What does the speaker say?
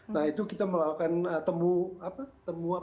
nah itu kita melakukan temu